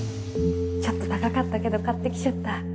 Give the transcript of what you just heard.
ちょっと高かったけど買ってきちゃった。